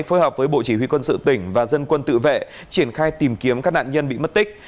phối hợp với bộ chỉ huy quân sự tỉnh và dân quân tự vệ triển khai tìm kiếm các nạn nhân bị mất tích